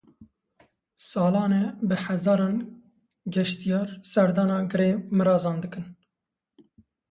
Salane bi hezaran geştiyar serdana Girê Mirazan dikin.